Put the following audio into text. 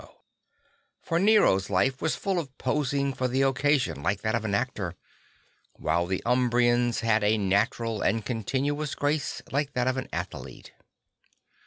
For Nero's life was full of posing for the occasion like that of an actor; while the Umbrian's had a natural and continuous grace like that of an athlete.